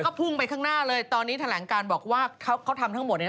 ก็พุ่งไปข้างหน้าเลยตอนนี้แถลงการบอกว่าเขาทำทั้งหมดเนี่ย